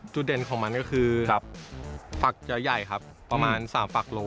เด่นของมันก็คือฝักใหญ่ครับประมาณ๓ฝักโล